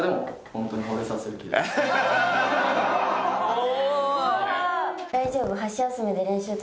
・お！